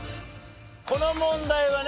この問題はね